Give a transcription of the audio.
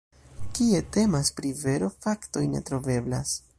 Kie temas pri vero, faktoj ne troveblas.